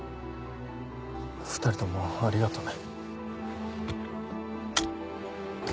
２人ともありがとね。